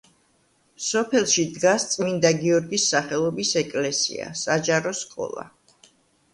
სოფელში დგას წმინდა გიორგის სახელობის ეკლესია, საჯარო სკოლა.